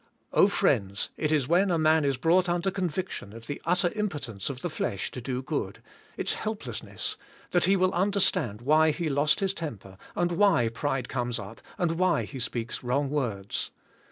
Oh friends, it is when a man is brought under conviction of the utter impotence of the flesh to do good, its helplessness, that he will understand why he lost his temper, and w^hy pride comes up, and why lie speaks wrong' words.